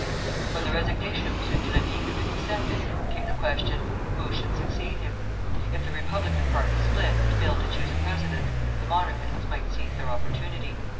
When the resignation of M. Grévy had been accepted, came the question, Who should succeed him? If the Republican party split and failed to choose a president, the Monarchists might seize their opportunity.